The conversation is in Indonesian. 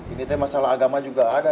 ini masalah agama juga ada